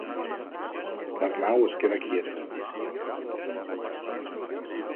L'Arnau es queda quiet.